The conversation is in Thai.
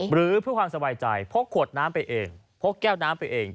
หรือเพื่อความสบายใจพกขวดน้ำไปเองพกแก้วน้ำไปเอง